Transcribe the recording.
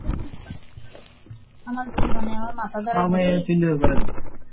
এইটি সর্বদা মনে রাখিয়া আর কখনও অসুস্থ হইও না।